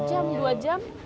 sejam dua jam